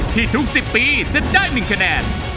ทุก๑๐ปีจะได้๑คะแนน